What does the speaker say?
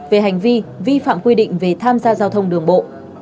về hành vi vi phạm quy định về tham gia giao thông đường bộ